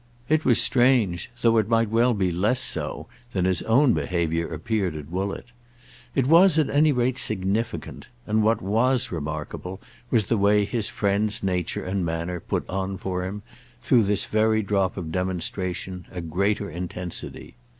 It was strange, though it might well be less so than his own behaviour appeared at Woollett. It was at any rate significant, and what was remarkable was the way his friend's nature and manner put on for him, through this very drop of demonstration, a greater intensity.